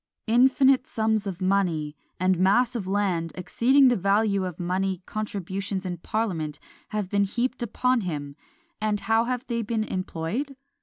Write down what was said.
"Infinite sums of money, and mass of land exceeding the value of money, contributions in parliament have been heaped upon him; and how have they been employed?